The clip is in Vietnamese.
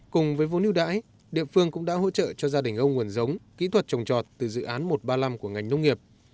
cùng với vốn ưu đãi địa phương cũng đã hỗ trợ cho gia đình ông nguồn giống kỹ thuật trồng trọt từ dự án một trăm ba mươi năm của ngành nông nghiệp